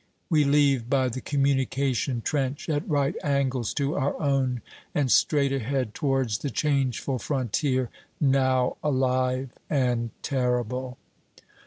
We leave by the communication trench at right angles to our own, and straight ahead towards the changeful frontier, now alive and terrible.